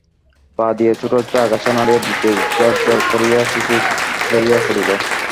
পা দিয়া ছোট একটি আগাছা নাড়িয়া দিতে ঝরঝর করিয়া শিশির ঝরিয়া পড়িল।